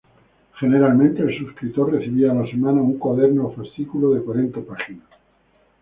Generalmente el suscriptor recibía a la semana un cuaderno o fascículo de cuarenta páginas.